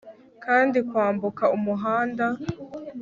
kandi kwambuka umuhanda